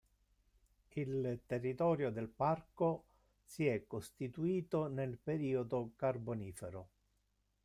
Il territorio del parco si è costituito nel periodo carbonifero.